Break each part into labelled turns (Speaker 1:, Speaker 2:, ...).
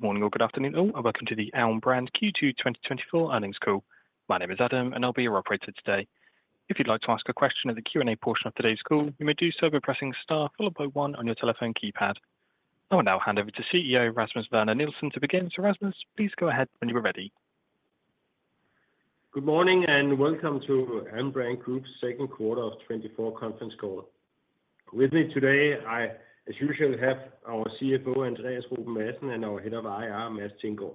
Speaker 1: Good morning or good afternoon all, and welcome to the Alm. Brand Q2 2024 Earnings Call. My name is Adam, and I'll be your operator today. If you'd like to ask a question at the Q&A portion of today's call, you may do so by pressing star followed by one on your telephone keypad. I will now hand over to CEO, Rasmus Werner Nielsen, to begin. So Rasmus, please go ahead when you are ready.
Speaker 2: Good morning, and welcome to Alm. Brand Group's Q2 of 2024 conference call. With me today, I, as usual, have our CFO, Andreas Ruben Madsen, and our head of IR, Mads Thinggaard.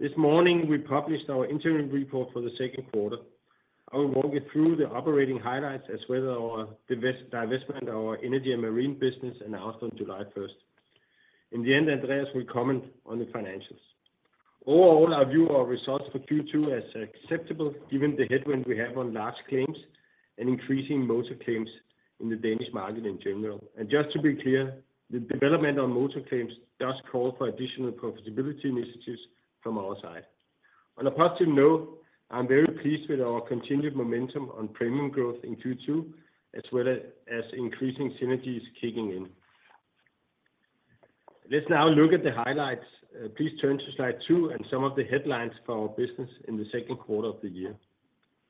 Speaker 2: This morning, we published our interim report for the Q2. I will walk you through the operating highlights, as well as our divestment, our Energy and Marine business announced on July first. In the end, Andreas will comment on the financials. Overall, our view of our results for Q2 is acceptable, given the headwind we have on large claims and increasing motor claims in the Danish market in general. And just to be clear, the development on motor claims does call for additional profitability initiatives from our side. On a positive note, I'm very pleased with our continued momentum on premium growth in Q2, as well as increasing synergies kicking in. Let's now look at the highlights. Please turn to slide 2 and some of the headlines for our business in the Q2 of the year.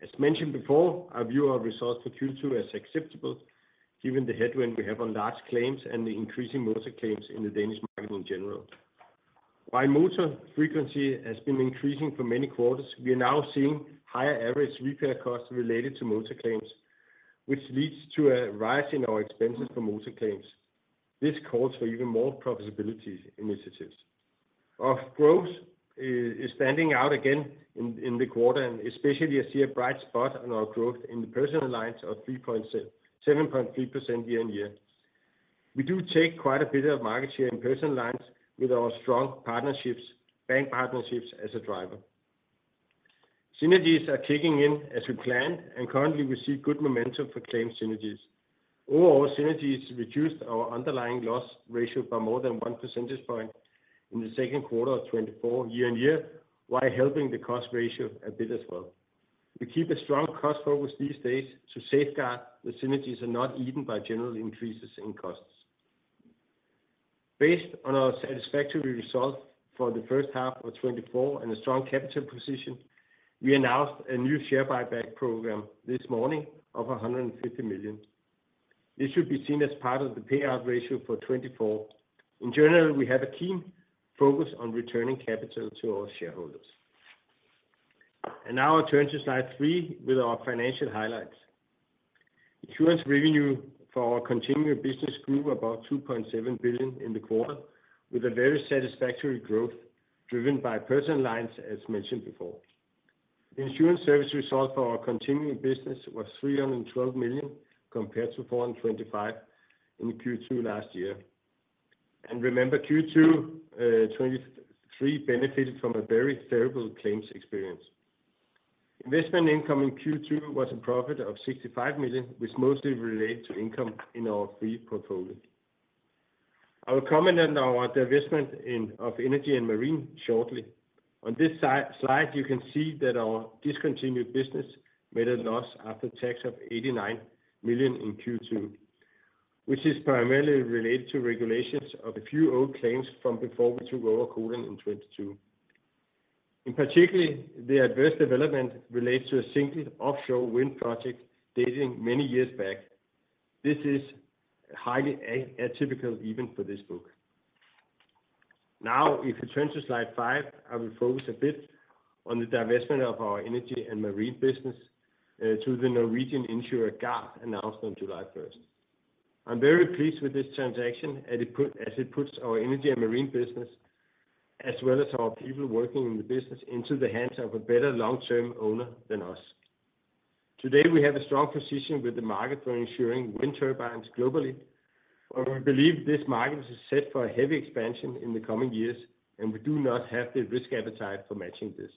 Speaker 2: As mentioned before, our view of our results for Q2 is acceptable, given the headwind we have on large claims and the increasing motor claims in the Danish market in general. While motor frequency has been increasing for many quarters, we are now seeing higher average repair costs related to motor claims, which leads to a rise in our expenses for motor claims. This calls for even more profitability initiatives. Our growth is standing out again in the quarter, and especially I see a bright spot on our growth in the personal lines of 7.3% year-over-year. We do take quite a bit of market share in personal lines with our strong partnerships, bank partnerships as a driver. Synergies are kicking in as we planned, and currently we see good momentum for claims synergies. Overall, synergies reduced our underlying loss ratio by more than 1 percentage point in the Q2 of 2024 year-over-year, while helping the cost ratio a bit as well. We keep a strong cost focus these days to safeguard the synergies are not eaten by general increases in costs. Based on our satisfactory results for the first half of 2024 and a strong capital position, we announced a new share buyback program this morning of 150 million. This should be seen as part of the payout ratio for 2024. In general, we have a keen focus on returning capital to our shareholders. Now I turn to slide three with our financial highlights. Insurance revenue for our continuing business grew about 2.7 billion in the quarter, with a very satisfactory growth driven by personal lines, as mentioned before. Insurance service result for our continuing business was 312 million, compared to 425 million in Q2 last year. And remember, Q2 2023 benefited from a very terrible claims experience. Investment income in Q2 was a profit of 65 million, which mostly relate to income in our free portfolio. I will comment on our divestment in, of Energy and Marine shortly. On this slide, you can see that our discontinued business made a loss after tax of 89 million in Q2, which is primarily related to revaluations of a few old claims from before we took over Codan in 2022. In particular, the adverse development relates to a single offshore wind project dating many years back. This is highly atypical even for this book. Now, if you turn to slide five, I will focus a bit on the divestment of our energy and marine business to the Norwegian insurer, Gard, announced on July first. I'm very pleased with this transaction, as it puts our energy and marine business, as well as our people working in the business, into the hands of a better long-term owner than us. Today, we have a strong position with the market for insuring wind turbines globally, but we believe this market is set for a heavy expansion in the coming years, and we do not have the risk appetite for matching this.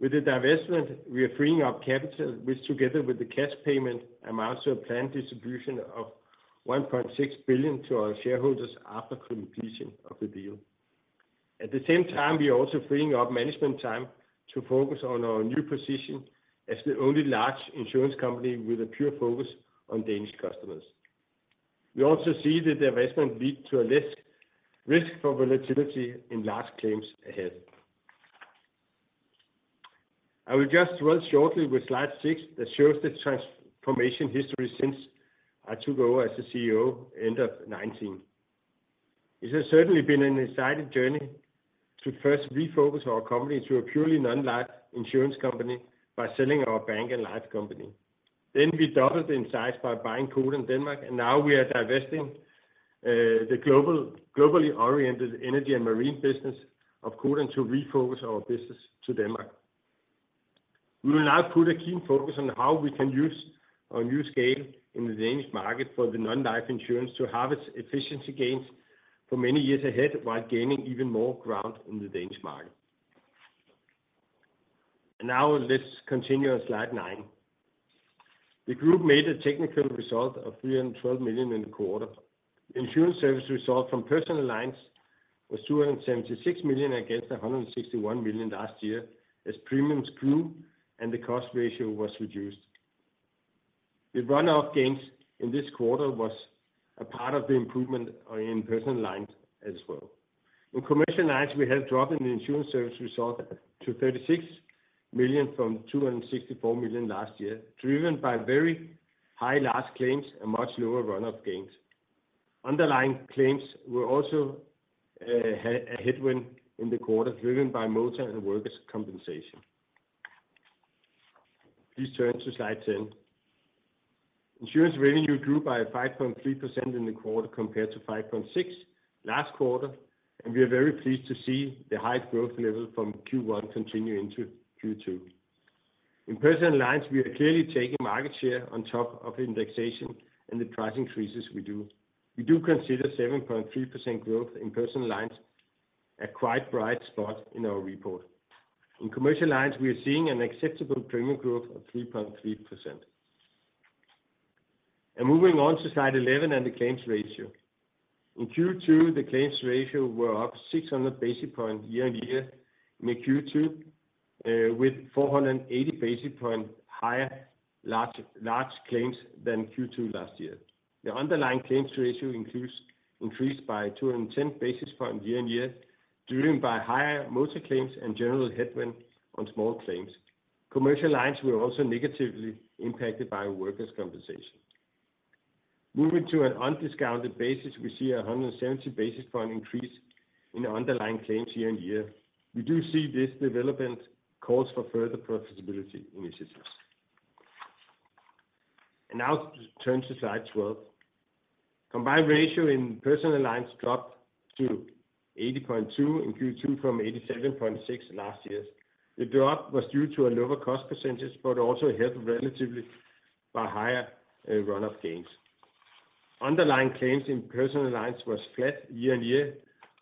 Speaker 2: With the divestment, we are freeing up capital, which together with the cash payment, amounts to a planned distribution of 1.6 billion to our shareholders after completion of the deal. At the same time, we are also freeing up management time to focus on our new position as the only large insurance company with a pure focus on Danish customers. We also see that the investment lead to a less risk for volatility in large claims ahead. I will just run shortly with slide 6, that shows the transformation history since I took over as the CEO, end of 2019. It has certainly been an exciting journey to first refocus our company to a purely non-life insurance company by selling our bank and life company. Then we doubled in size by buying Codan Denmark, and now we are divesting the globally oriented energy and marine business of Codan to refocus our business to Denmark. We will now put a keen focus on how we can use our new scale in the Danish market for the non-life insurance to harvest efficiency gains for many years ahead, while gaining even more ground in the Danish market. And now, let's continue on slide 9. The group made a technical result of 312 million in the quarter. Insurance service result from personal lines was 276 million against 161 million last year, as premiums grew and the cost ratio was reduced. The run-off gains in this quarter was a part of the improvement in personal lines as well. In commercial lines, we had a drop in the insurance service result to 36 million from 264 million last year, driven by very high large claims and much lower run-off gains. Underlying claims were also a headwind in the quarter, driven by motor and workers' compensation. Please turn to slide 10. Insurance revenue grew by 5.3% in the quarter, compared to 5.6% last quarter, and we are very pleased to see the high growth level from Q1 continue into Q2. In personal lines, we are clearly taking market share on top of indexation and the price increases we do. We do consider 7.3% growth in personal lines a quite bright spot in our report. In commercial lines, we are seeing an acceptable premium growth of 3.3%. Moving on to slide 11 and the claims ratio. In Q2, the claims ratio were up 600 basis points year-over-year in Q2, with 480 basis points higher large, large claims than Q2 last year. The underlying claims ratio increased by 210 basis points year-over-year, driven by higher motor claims and general headwind on small claims. Commercial Lines were also negatively impacted by Workers' Compensation. Moving to an undiscounted basis, we see a 170 basis point increase in the underlying claims year-over-year. We do see this development calls for further profitability initiatives. Now turn to slide 12. Combined ratio in Personal Lines dropped to 80.2 in Q2 from 87.6 last year. The drop was due to a lower cost percentage, but also helped relatively by higher run-off gains. Underlying claims in personal lines was flat year-over-year,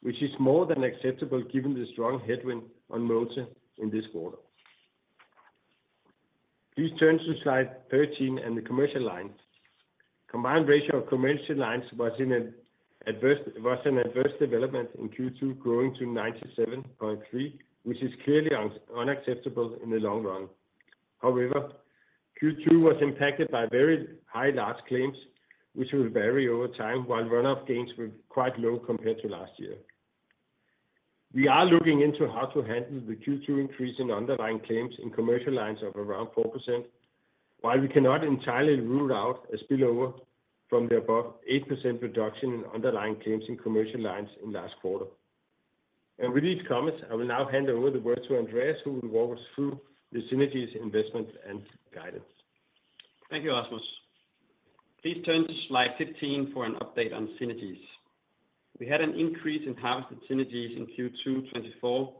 Speaker 2: which is more than acceptable given the strong headwind on motor in this quarter. Please turn to slide 13 and the commercial lines. Combined ratio of commercial lines was an adverse development in Q2, growing to 97.3, which is clearly unacceptable in the long run. However, Q2 was impacted by very high large claims, which will vary over time, while run-off gains were quite low compared to last year. We are looking into how to handle the Q2 increase in underlying claims in commercial lines of around 4%, while we cannot entirely rule out a spillover from the above 8% reduction in underlying claims in commercial lines in last quarter. With these comments, I will now hand over the word to Andreas, who will walk us through the synergies, investments, and guidance.
Speaker 3: Thank you, Rasmus. Please turn to slide 15 for an update on synergies. We had an increase in harvested synergies in Q2 2024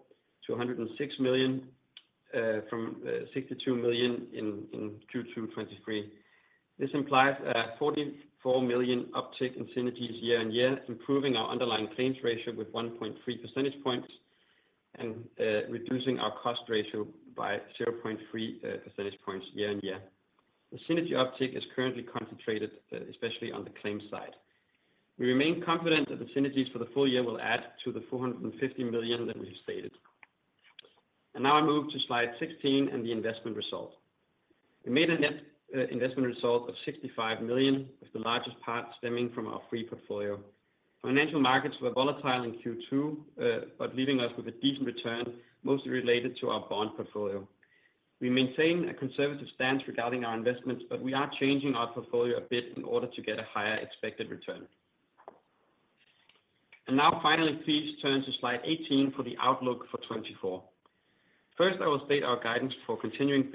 Speaker 3: to 106 million from 62 million in Q2 2023. This implies a 44 million uptick in synergies year-over-year, improving our underlying claims ratio with 1.3 percentage points and reducing our cost ratio by 0.3 percentage points year-over-year. The synergy uptick is currently concentrated especially on the claims side. We remain confident that the synergies for the full year will add to the 450 million that we've stated. And now I move to slide 16 and the investment result. We made a net investment result of 65 million, with the largest part stemming from our free portfolio. Financial markets were volatile in Q2, but leaving us with a decent return, mostly related to our bond portfolio. We maintain a conservative stance regarding our investments, but we are changing our portfolio a bit in order to get a higher expected return. And now, finally, please turn to slide 18 for the outlook for 2024. First, I will state our guidance for continuing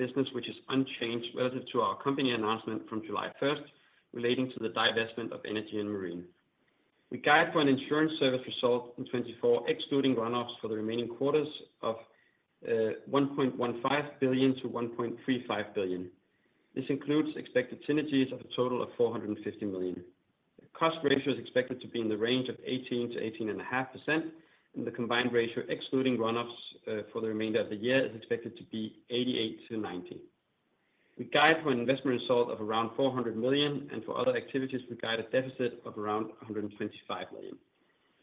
Speaker 3: business, which is unchanged relative to our company announcement from July 1st, relating to the divestment of Energy and Marine. We guide for an Insurance service result in 2024, excluding run-off for the remaining quarters of 1.15 billion-1.35 billion. This includes expected synergies of a total of 450 million. The cost ratio is expected to be in the range of 18%-18.5%, and the combined ratio, excluding run-off, for the remainder of the year, is expected to be 88%-90%. We guide for an investment result of around 400 million, and for other activities, we guide a deficit of around 125 million.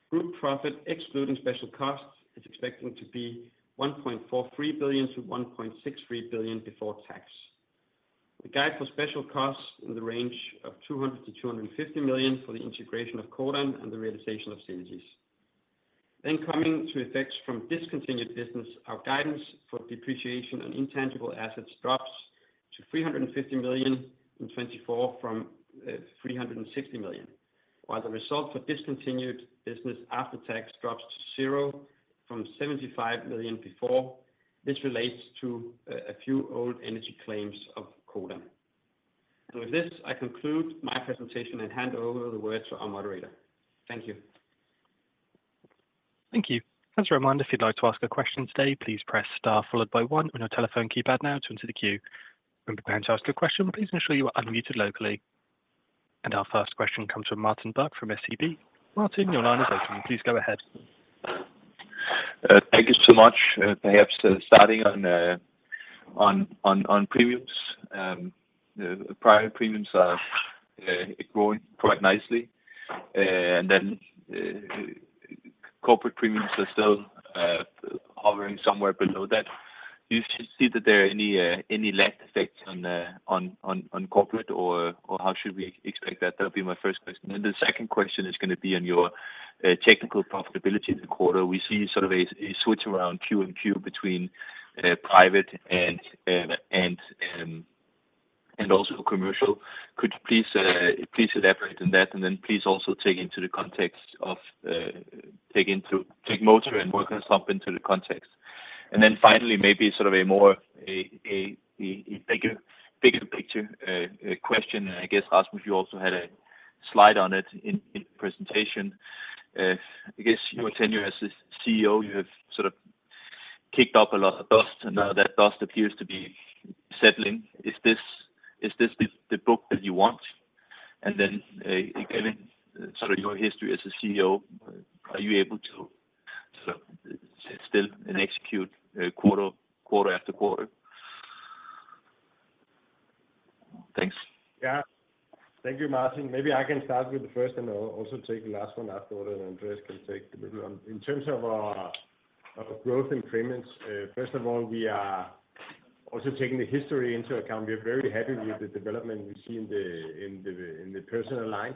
Speaker 3: Group profit, excluding special costs, is expected to be 1.43 billion-1.63 billion before tax. We guide for special costs in the range of 200 million-250 million for the integration of Codan and the realization of synergies. Then coming to effects from discontinued business, our guidance for depreciation on intangible assets drops to 350 million in 2024 from 360 million, while the results of discontinued business after tax drops to zero from 75 million before. This relates to a few old energy claims of Codan. And with this, I conclude my presentation and hand over the word to our moderator. Thank you.
Speaker 1: Thank you. As a reminder, if you'd like to ask a question today, please press star followed by one on your telephone keypad now to enter the queue. When preparing to ask a question, please ensure you are unmuted locally. Our first question comes from Martin Stranberg from SEB. Martin, your line is open. Please go ahead.
Speaker 4: Thank you so much. Perhaps starting on premiums. The prior premiums are growing quite nicely. And then, corporate premiums are still hovering somewhere below that. Do you see that there are any lag effects on the corporate or how should we expect that? That'll be my first question. Then the second question is gonna be on your technical profitability quarter. We see sort of a switch around Q and Q between private and also commercial. Could you please elaborate on that? And then please also take into the context of take motor and workers' comp into the context. And then finally, maybe sort of a more bigger picture question, I guess, Rasmus, you also had a slide on it in your presentation. I guess your tenure as a CEO, you have sort of kicked up a lot of dust, and now that dust appears to be settling. Is this the book that you want? And then, given sort of your history as a CEO, are you able to sort of sit still and execute quarter after quarter? Thanks.
Speaker 2: Yeah. Thank you, Martin. Maybe I can start with the first, and I'll also take the last one after, and Andreas can take the middle one. In terms of our growth in premiums, first of all, we are also taking the history into account. We are very happy with the development we see in the Personal Lines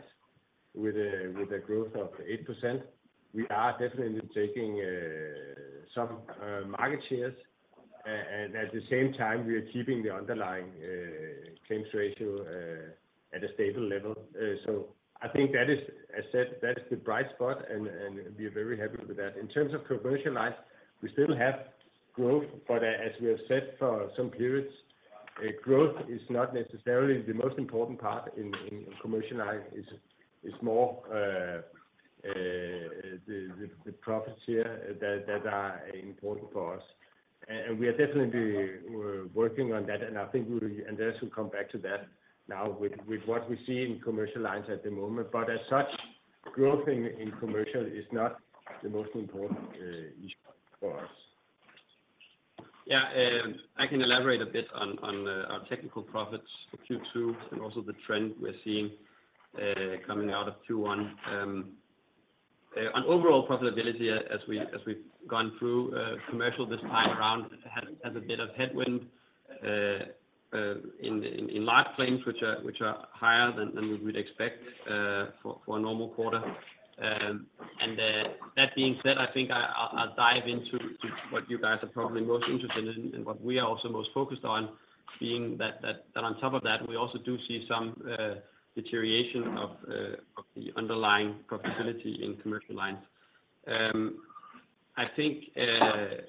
Speaker 2: with a growth of 8%. We are definitely taking some market shares, and at the same time, we are keeping the underlying claims ratio at a stable level. So I think that is, as said, that is the bright spot, and we are very happy with that. In terms of commercial lines, we still have growth, but as we have said for some periods, growth is not necessarily the most important part in commercial line, it's more the profits here that are important for us. And we are definitely working on that, and I think we will, Andreas will come back to that now with what we see in commercial lines at the moment. But as such, growth in commercial is not the most important issue for us.
Speaker 3: Yeah, I can elaborate a bit on our technical profits for Q2 and also the trend we're seeing coming out of Q1. On overall profitability as we've gone through, Commercial this time around has a bit of headwind in large claims, which are higher than we'd expect for a normal quarter. That being said, I think I'll dive into what you guys are probably most interested in, and what we are also most focused on, being that on top of that, we also do see some deterioration of the underlying profitability in Commercial Lines. I think, if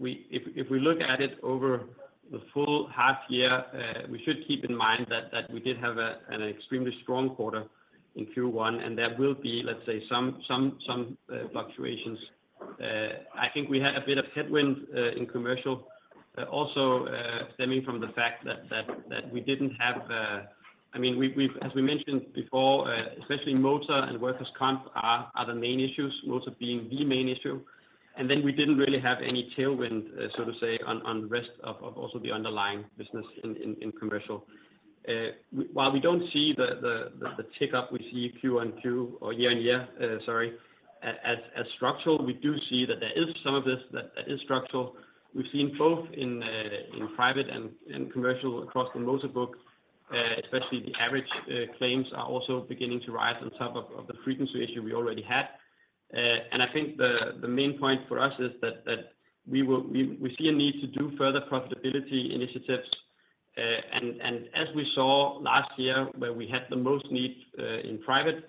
Speaker 3: we look at it over the full half year, we should keep in mind that we did have an extremely strong quarter in Q1, and there will be, let's say, some fluctuations. I think we had a bit of headwind in commercial, also, stemming from the fact that we didn't have... I mean, we've, as we mentioned before, especially motor and workers' comp are the main issues, motor being the main issue. And then we didn't really have any tailwind, so to say, on the rest of also the underlying business in commercial. While we don't see the tick up, we see Q and Q or year-over-year, as structural, we do see that there is some of this that is structural. We've seen both in private and commercial across the motor book, especially the average claims are also beginning to rise on top of the frequency issue we already had. And I think the main point for us is that we see a need to do further profitability initiatives. And as we saw last year, where we had the most needs in private,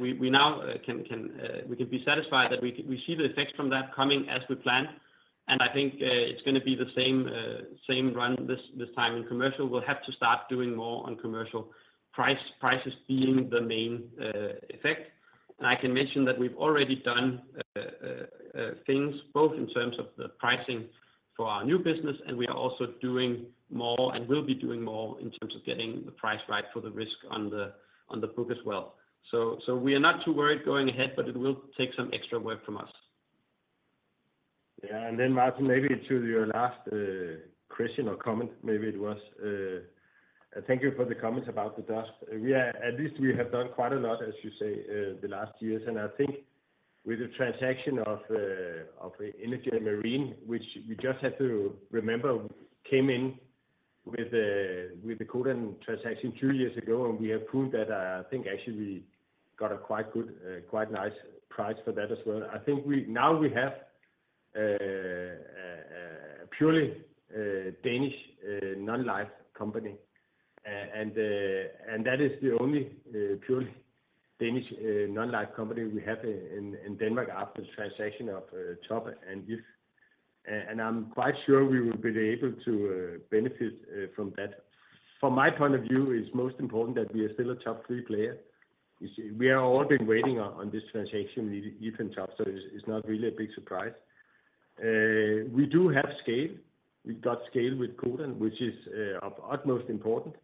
Speaker 3: we can be satisfied that we see the effects from that coming as we planned. I think it's gonna be the same run-off this time in commercial. We'll have to start doing more on commercial prices, prices being the main effect. I can mention that we've already done things both in terms of the pricing for our new business, and we are also doing more and will be doing more in terms of getting the price right for the risk on the book as well. So we are not too worried going ahead, but it will take some extra work from us.
Speaker 2: Yeah, and then, Martin, maybe to your last question or comment, maybe it was thank you for the comments about the dust. We are, at least we have done quite a lot, as you say, the last years. And I think with the transaction of Energy and Marine, which we just have to remember came in with the Codan transaction two years ago, and we have proved that, I think actually we got a quite good quite nice price for that as well. I think we now have a purely Danish non-life company, and that is the only purely Danish non-life company we have in Denmark after the transaction of and If. And I'm quite sure we will be able to benefit from that. From my point of view, it's most important that we are still a top three player. You see, we are all been waiting on this transaction with If and Top, so it's not really a big surprise. We do have scale. We've got scale with Codan, which is of utmost important.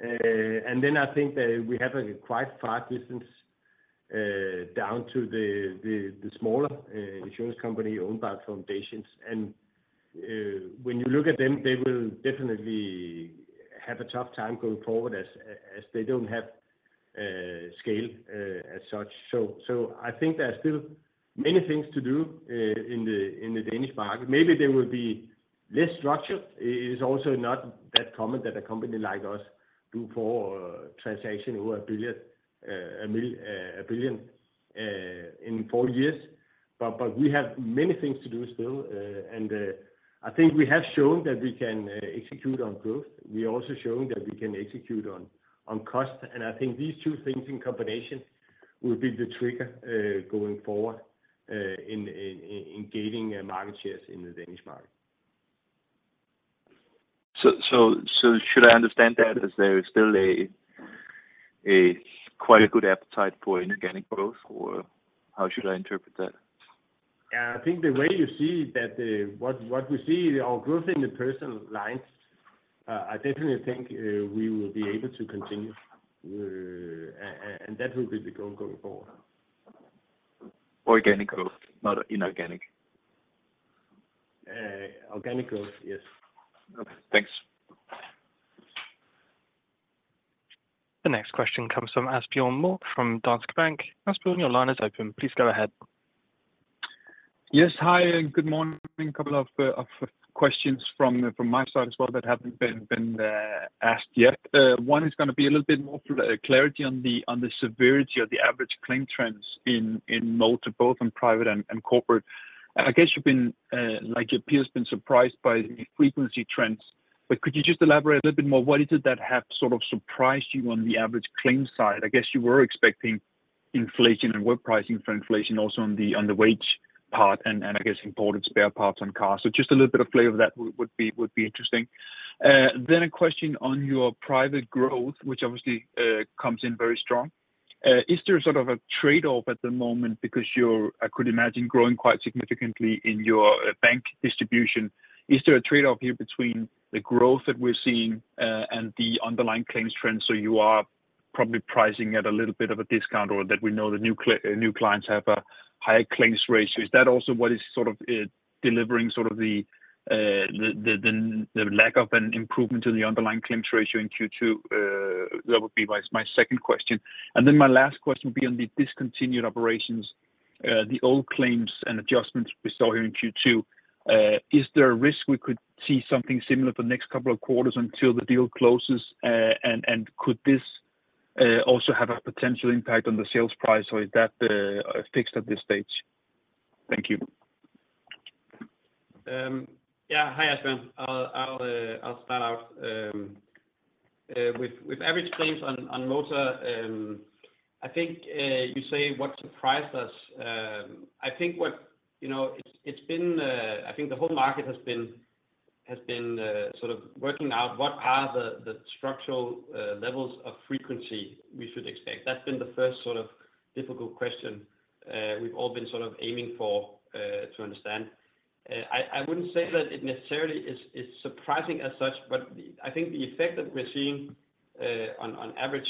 Speaker 2: And then I think we have a quite far distance down to the smaller insurance company owned by foundations, and-... when you look at them, they will definitely have a tough time going forward as they don't have scale as such. So I think there are still many things to do in the Danish market. Maybe they will be less structured. It is also not that common that a company like us do four transaction over 1 billion in four years. But we have many things to do still. And I think we have shown that we can execute on growth. We also shown that we can execute on cost, and I think these two things in combination will be the trigger going forward in gaining market shares in the Danish market.
Speaker 4: So, should I understand that as there is still quite a good appetite for inorganic growth, or how should I interpret that?
Speaker 3: Yeah, I think the way you see it, that what we see our growth in the personal lines. I definitely think we will be able to continue. And that will be the goal going forward.
Speaker 4: Organic growth, not inorganic.
Speaker 3: Organic growth, yes.
Speaker 4: Okay, thanks.
Speaker 1: The next question comes from Asbjørn Mørk from Danske Bank. Asbjørn, your line is open. Please go ahead.
Speaker 5: Yes. Hi, and good morning. A couple of questions from my side as well that haven't been asked yet. One is gonna be a little bit more for clarity on the severity of the average claim trends in motor, both in private and corporate. I guess you've been, like your peers, been surprised by the frequency trends, but could you just elaborate a little bit more, what is it that have sort of surprised you on the average claim side? I guess you were expecting inflation and work pricing for inflation also on the wage part and I guess imported spare parts and cars. So just a little bit of flavor that would be interesting. Then a question on your private growth, which obviously comes in very strong. Is there sort of a trade-off at the moment? Because you're, I could imagine, growing quite significantly in your bank distribution. Is there a trade-off here between the growth that we're seeing and the underlying claims trend? So you are probably pricing at a little bit of a discount or that we know the new clients have a higher claims ratio. Is that also what is sort of delivering sort of the lack of an improvement in the underlying claims ratio in Q2? That would be my second question. And then my last question would be on the discontinued operations, the old claims and adjustments we saw here in Q2. Is there a risk we could see something similar the next couple of quarters until the deal closes? Could this also have a potential impact on the sales price, or is that fixed at this stage? Thank you.
Speaker 2: Yeah. Hi, Asbjørn. I'll start out with average claims on motor. I think you say what surprised us, I think what... You know, it's been, I think the whole market has been sort of working out what are the structural levels of frequency we should expect. That's been the first sort of difficult question we've all been sort of aiming for to understand. I wouldn't say that it necessarily is surprising as such, but I think the effect that we're seeing on average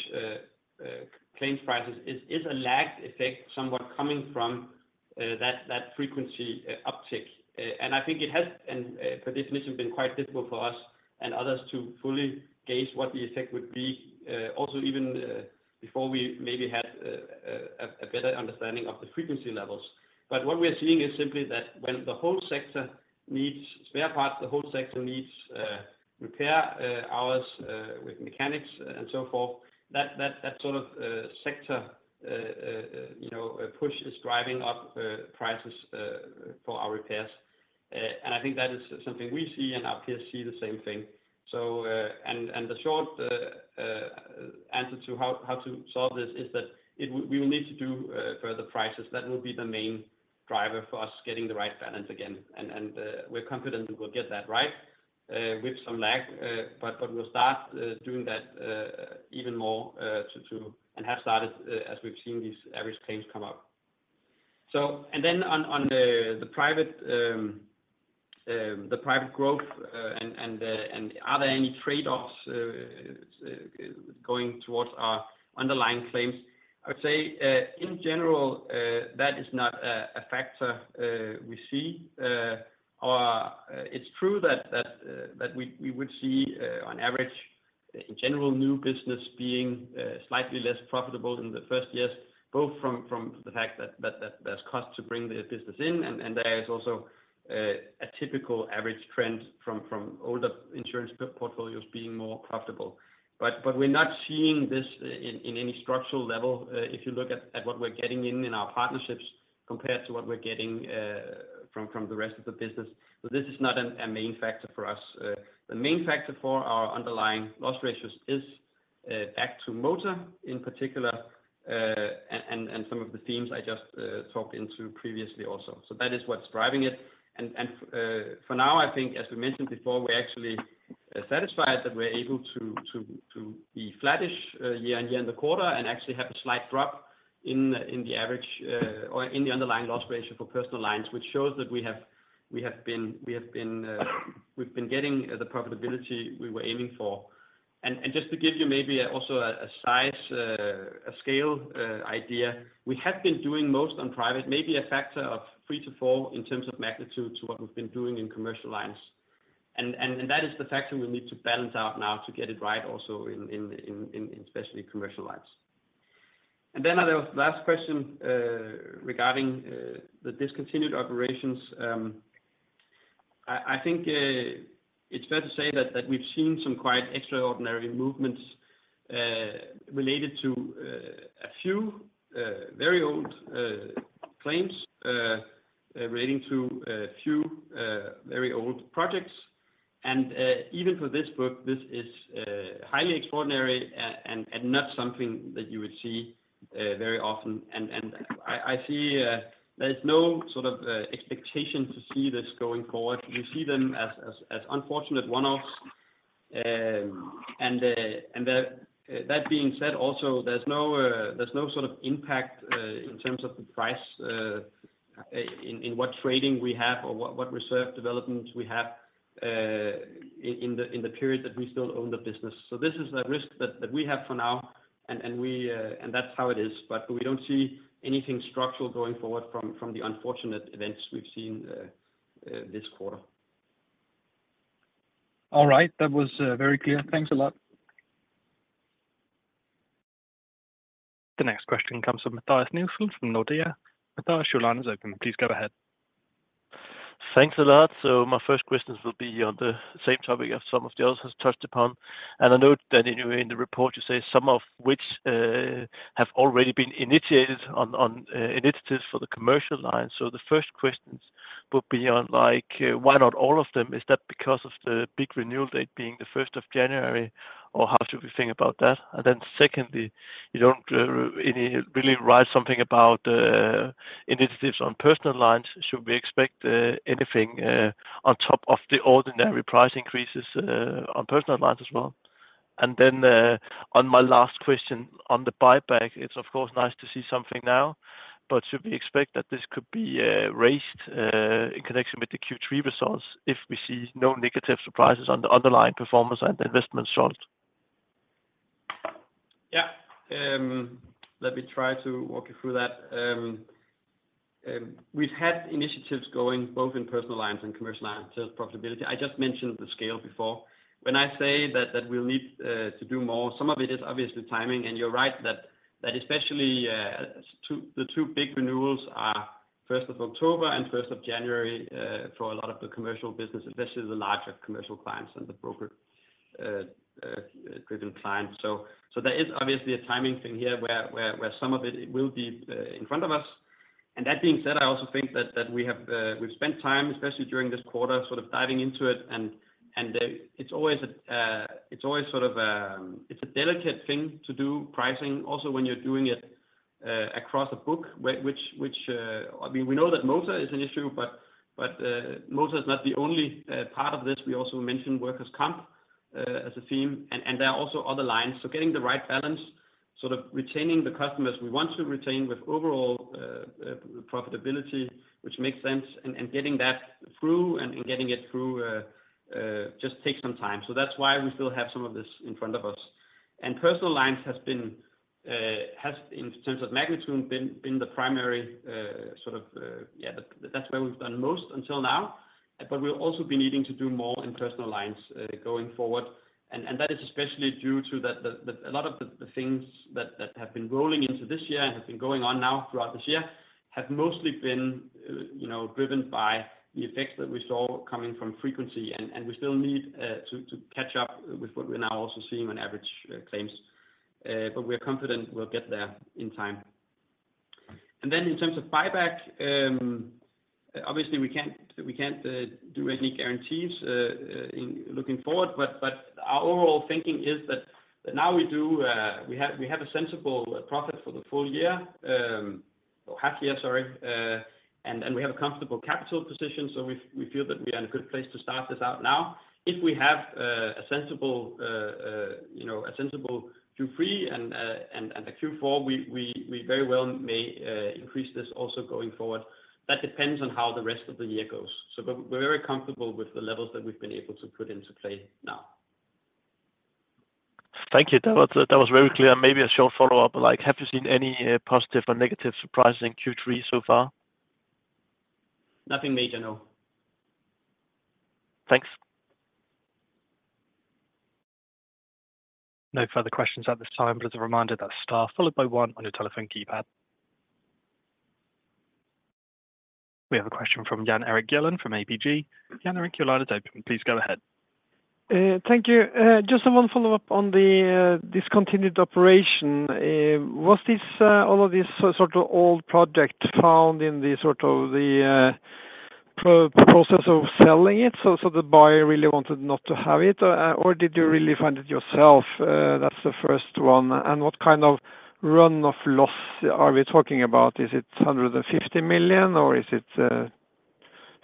Speaker 2: claims prices is a lagged effect, somewhat coming from that frequency uptick. And I think it has, for this reason, been quite difficult for us and others to fully gauge what the effect would be, also even before we maybe had a better understanding of the frequency levels. But what we are seeing is simply that when the whole sector needs spare parts, the whole sector needs repair hours with mechanics and so forth, that sort of sector, you know, push is driving up prices for our repairs. And I think that is something we see, and our peers see the same thing. So, and the short answer to how to solve this is that it- we will need to do further prices. That will be the main driver for us getting the right balance again, and we're confident we will get that right, with some lag. But we'll start doing that even more, and have started, as we've seen these average claims come up. And then on the private growth, are there any trade-offs going towards our underlying claims? I would say, in general, that is not a factor we see. It's true that we would see, on average, in general, new business being slightly less profitable than the first years, both from the fact that there's cost to bring the business in, and there is also a typical average trend from older insurance portfolios being more profitable. But we're not seeing this in any structural level. If you look at what we're getting in our partnerships compared to what we're getting from the rest of the business. So this is not a main factor for us. The main factor for our underlying loss ratios is back to motor in particular, and some of the themes I just talked into previously also. So that is what's driving it. For now, I think, as we mentioned before, we're actually satisfied that we're able to be flattish year-over-year in the quarter and actually have a slight drop in the average or in the underlying loss ratio for personal lines, which shows that we've been getting the profitability we were aiming for. And just to give you maybe also a size, a scale idea, we have been doing most on private, maybe a factor of 3-4 in terms of magnitude to what we've been doing in commercial lines. And that is the factor we need to balance out now to get it right also in especially commercial lines. And then the last question regarding the discontinued operations. I think it's fair to say that we've seen some quite extraordinary movements related to a few very old claims relating to a few very old projects. And even for this book, this is highly extraordinary and not something that you would see very often. And I see there's no sort of expectation to see this going forward. We see them as unfortunate one-offs. And that being said, also, there's no sort of impact in terms of the price in what trading we have or what reserve development we have in the period that we still own the business. So this is a risk that we have for now, and that's how it is. But we don't see anything structural going forward from the unfortunate events we've seen this quarter.
Speaker 5: All right. That was very clear. Thanks a lot.
Speaker 1: The next question comes from Mathias Nielsen from Nordea. Mathias, your line is open. Please go ahead.
Speaker 6: Thanks a lot. So my first question will be on the same topic as some of the others has touched upon. And I know that in the report you say some of which have already been initiated on initiatives for the commercial line. So the first questions would be on, like, why not all of them? Is that because of the big renewal date being the first of January, or how should we think about that? And then secondly, you don't really write something about initiatives on personal lines. Should we expect anything on top of the ordinary price increases on personal lines as well? And then, on my last question on the buyback, it's of course, nice to see something now, but should we expect that this could be raised, in connection with the Q3 results if we see no negative surprises on the underlying performance and investment front?
Speaker 3: Yeah. Let me try to walk you through that. We've had initiatives going both in personal lines and commercial lines as profitability. I just mentioned the scale before. When I say that, that we'll need to do more, some of it is obviously timing, and you're right, that, that especially, the two big renewals are first of October and first of January, for a lot of the commercial business, especially the larger commercial clients and the broker driven clients. So there is obviously a timing thing here where some of it will be in front of us. And that being said, I also think that we have we've spent time, especially during this quarter, sort of diving into it, and it's always it's always sort of it's a delicate thing to do pricing also when you're doing it across a book, which I mean, we know that motor is an issue, but motor is not the only part of this. We also mentioned workers' comp as a theme, and there are also other lines. So getting the right balance, sort of retaining the customers we want to retain with overall profitability, which makes sense, and getting that through, and getting it through just takes some time. So that's why we still have some of this in front of us. And personal lines has been, in terms of magnitude, the primary, sort of, yeah, that's where we've done most until now. But we'll also be needing to do more in personal lines, going forward. And that is especially due to the, a lot of the things that have been rolling into this year and have been going on now throughout this year; they have mostly been, you know, driven by the effects that we saw coming from frequency, and we still need to catch up with what we're now also seeing on average claims. But we're confident we'll get there in time. And then in terms of buyback, obviously, we can't, we can't do any guarantees in looking forward, but, but our overall thinking is that now we do, we have, we have a sensible profit for the full year, or half year, sorry, and, and we have a comfortable capital position, so we, we feel that we are in a good place to start this out now. If we have a sensible, you know, a sensible Q3 and, and, and a Q4, we, we, we very well may increase this also going forward. That depends on how the rest of the year goes. So but we're very comfortable with the levels that we've been able to put into play now.
Speaker 6: Thank you. That was, that was very clear. Maybe a short follow-up, like, have you seen any positive or negative surprise in Q3 so far?
Speaker 3: Nothing major, no.
Speaker 6: Thanks.
Speaker 1: No further questions at this time. But as a reminder, that's star followed by one on your telephone keypad. We have a question from Jan Erik Gjerland from ABG. Jan Erik, your line is open. Please go ahead.
Speaker 7: Thank you. Just one follow-up on the discontinued operation. Was this all of these sort of old project found in the sort of the process of selling it, so the buyer really wanted not to have it, or did you really find it yourself? That's the first one. And what kind of run-off loss are we talking about? Is it 150 million or is it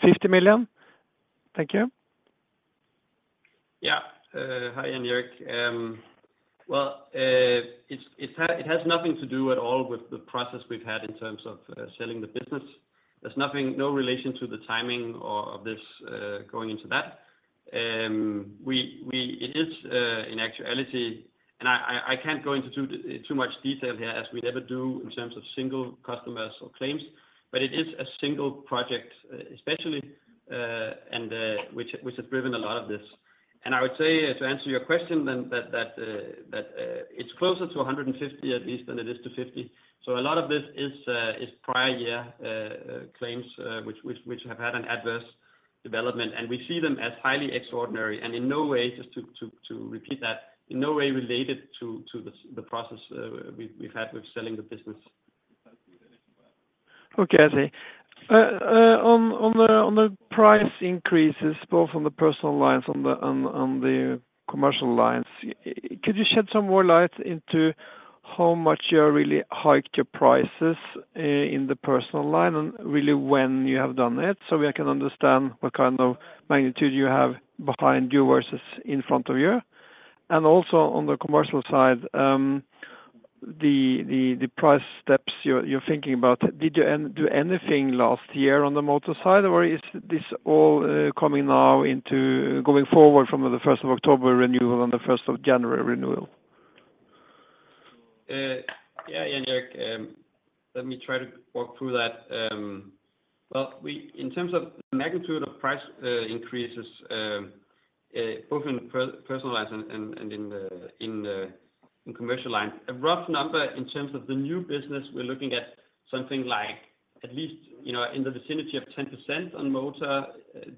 Speaker 7: 50 million? Thank you....
Speaker 3: Yeah. Hi, Jan Erik. Well, it's, it's, it has nothing to do at all with the process we've had in terms of selling the business. There's nothing, no relation to the timing of, of this going into that. It is, in actuality, and I can't go into too, too much detail here, as we'd ever do in terms of single customers or claims. But it is a single project, especially, and which, which has driven a lot of this. And I would say, to answer your question, then, that, that it's closer to 150 at least, than it is to 50. So a lot of this is prior year claims which have had an adverse development, and we see them as highly extraordinary, and in no way, just to repeat that, in no way related to the process we've had with selling the business.
Speaker 7: Okay, I see. On the price increases, both on the personal lines, on the commercial lines, could you shed some more light into how much you really hiked your prices in the personal line? And really when you have done it, so we can understand what kind of magnitude you have behind you versus in front of you. And also, on the commercial side, the price steps you're thinking about. Did you do anything last year on the motor side, or is this all coming now into going forward from the first of October renewal and the first of January renewal?
Speaker 3: Yeah, Jan Erik, let me try to walk through that. Well, we in terms of the magnitude of price increases, both in personal lines and in commercial lines. A rough number in terms of the new business, we're looking at something like at least, you know, in the vicinity of 10% on motor,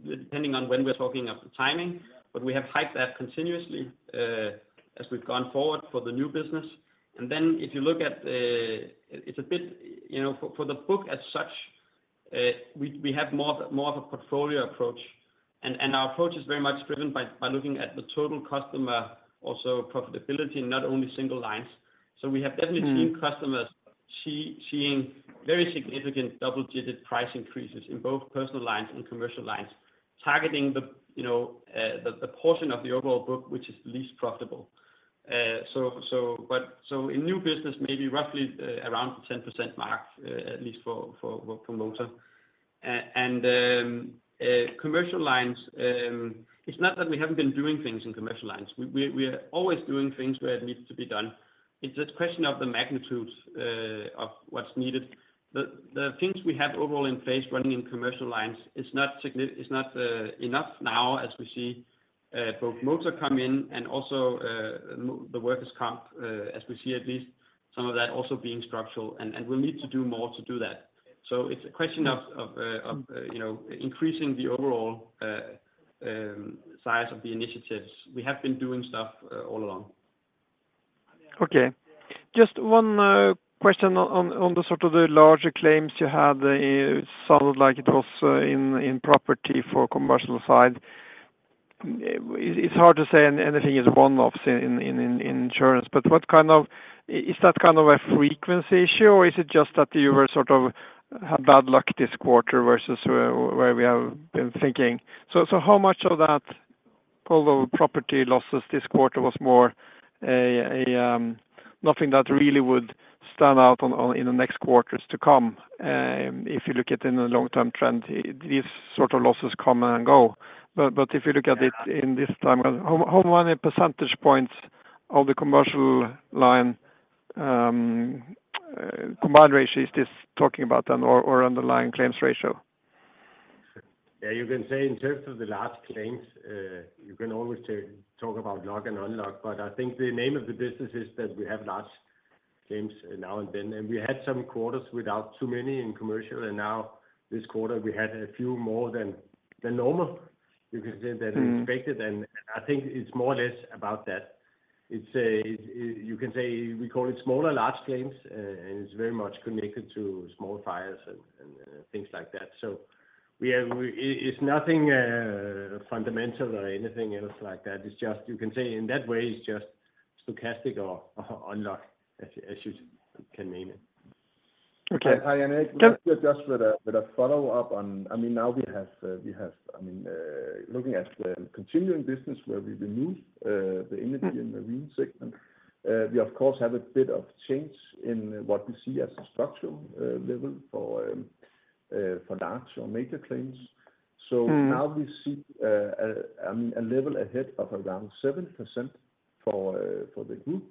Speaker 3: depending on when we're talking of the timing. But we have hiked that continuously, as we've gone forward for the new business. And then, if you look at. It's a bit, you know, for the book as such, we have more of a portfolio approach, and our approach is very much driven by looking at the total customer, also profitability, not only single lines.
Speaker 7: Mm.
Speaker 3: So we have definitely seen customers seeing very significant double-digit price increases in both personal lines and commercial lines, targeting the, you know, the, the portion of the overall book, which is least profitable. So but, so in new business, maybe roughly, around the 10% mark, at least for motor. And commercial lines, it's not that we haven't been doing things in commercial lines. We are always doing things where it needs to be done. It's just question of the magnitude of what's needed. The things we have overall in place running in commercial lines is not—it's not enough now as we see both motor come in and also the workers' comp as we see at least some of that also being structural, and we'll need to do more to do that. So it's a question of you know increasing the overall size of the initiatives. We have been doing stuff all along.
Speaker 7: Okay. Just one question on the sort of larger claims you had. It sounded like it was in property for commercial side. It's hard to say anything is one-off in insurance, but what kind of. Is that kind of a frequency issue, or is it just that you were sort of had bad luck this quarter versus where we have been thinking? So how much of that total property losses this quarter was more a nothing that really would stand out in the next quarters to come? If you look at the long-term trend, these sort of losses come and go. But if you look at it in this time, how many percentage points of the commercial line combined ratio is this talking about then, or underlying claims ratio?
Speaker 2: Yeah, you can say in terms of the large claims, you can always say talk about luck and unluck, but I think the name of the business is that we have large claims now and then. And we had some quarters without too many in commercial, and now this quarter, we had a few more than normal, you can say, than expected.
Speaker 7: Mm.
Speaker 2: I think it's more or less about that. It's a, you can say we call it small or large claims, and it's very much connected to small fires and things like that. So it's nothing fundamental or anything else like that. It's just you can say in that way, it's just stochastic or unlucky, as you can mean it.
Speaker 7: Okay.
Speaker 3: Hi, Jan Erik.
Speaker 7: Yeah.
Speaker 3: Just with a follow-up on... I mean, now we have, I mean, looking at the continuing business where we remove the Energy and Marine segment, we of course have a bit of change in what we see as a structural level for large or major claims.
Speaker 7: Mm.
Speaker 3: So now we see a level ahead of around 7% for the group,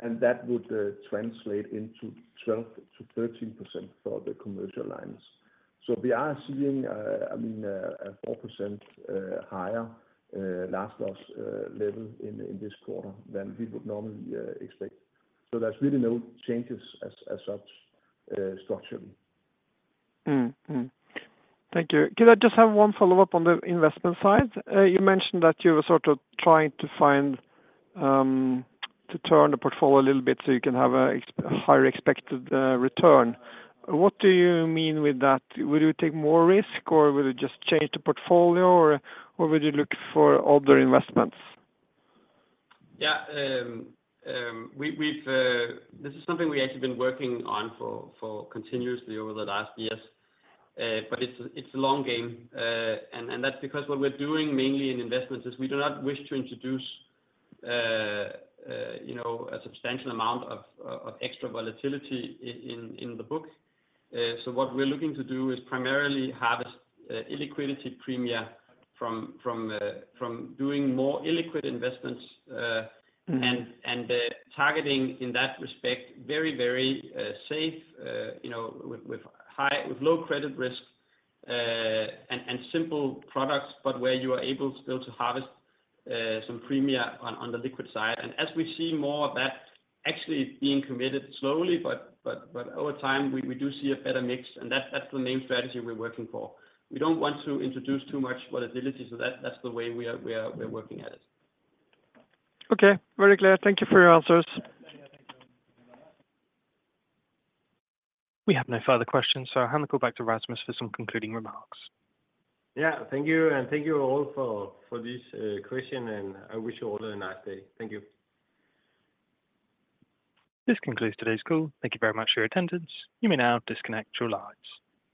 Speaker 3: and that would translate into 12%-13% for the commercial lines. So we are seeing, I mean, a 4% higher large loss level in this quarter than we would normally expect. So there's really no changes as such structurally.
Speaker 7: Mm, mm. Thank you. Could I just have one follow-up on the investment side? You mentioned that you were sort of trying to find to turn the portfolio a little bit so you can have a higher expected return. What do you mean with that? Would you take more risk, or would you just change the portfolio, or would you look for other investments?
Speaker 3: Yeah. We've... This is something we actually been working on for continuously over the last years. But it's a long game, and that's because what we're doing mainly in investments is we do not wish to introduce, you know, a substantial amount of extra volatility in the book. So what we're looking to do is primarily harvest illiquidity premia from doing more illiquid investments,
Speaker 7: Mm...
Speaker 3: targeting, in that respect, very, very safe, you know, with—with low credit risk, and simple products, but where you are able still to harvest some premia on the liquid side. And as we see more of that actually being committed slowly, but over time, we do see a better mix, and that's the main strategy we're working for. We don't want to introduce too much volatility, so that's the way we're working at it.
Speaker 7: Okay, very clear. Thank you for your answers.
Speaker 1: We have no further questions, so I'll hand it back to Rasmus for some concluding remarks.
Speaker 2: Yeah. Thank you, and thank you all for this question, and I wish you all a nice day. Thank you.
Speaker 1: This concludes today's call. Thank you very much for your attendance. You may now disconnect your lines.